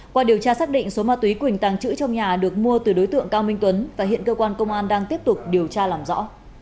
qua điều tra xác định số ma túy quỳnh tàng trữ trong nhà được mua từ đối tượng cao minh tuấn và hiện cơ quan công an đang tiếp tục điều tra làm rõ